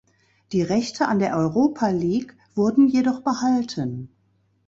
Die Rechte an der Europa League wurden jedoch behalten.